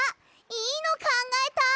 いいのかんがえた！